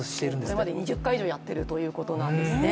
これまで２０回以上やってるということなんですね。